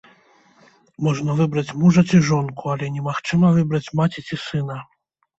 Можна выбраць мужа ці жонку, але немагчыма выбраць маці ці сына.